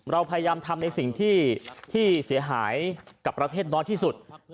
เราพยายามทำในสิ่งที่เสียหายกับประเทศน้อยที่สุด